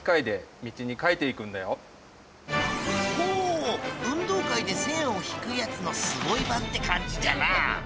運動会で線を引くやつのすごい版って感じじゃな。